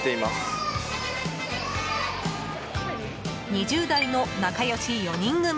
２０代の仲良し４人組。